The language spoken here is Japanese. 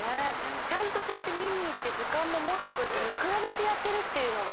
ちゃんとこうやってみにいってずかんももってこうやってみくらべてやってるっていうのが。